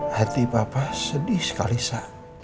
hati papa sedih sekali sa